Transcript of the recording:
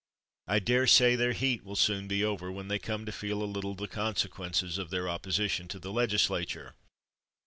I dare say their heat will soon be over when they come to feel a little the consequences of their opposition to the legislature.